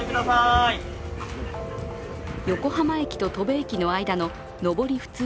横浜駅と戸部駅の間の上り普通